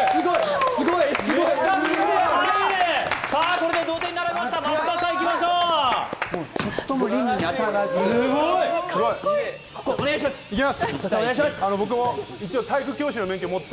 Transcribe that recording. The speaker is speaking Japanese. これで同点に並びました。